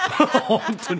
本当に？